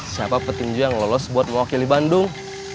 siapa petinju yang lolos buat mewakili bandung